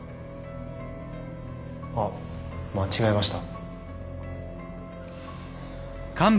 あっ間違えました。